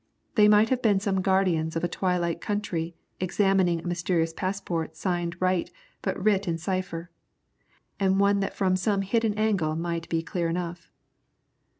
They might have been some guardians of a twilight country examining a mysterious passport signed right but writ in cipher, and one that from some hidden angle might be clear enough.